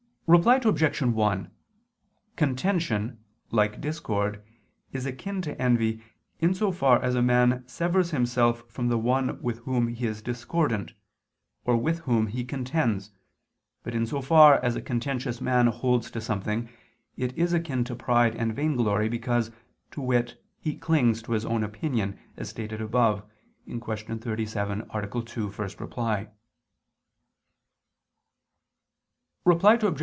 Reply Obj. 1: Contention, like discord, is akin to envy in so far as a man severs himself from the one with whom he is discordant, or with whom he contends, but in so far as a contentious man holds to something, it is akin to pride and vainglory, because, to wit, he clings to his own opinion, as stated above (Q. 37, A. 2, ad 1). Reply Obj.